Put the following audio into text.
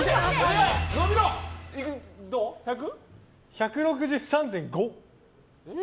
１６３．５。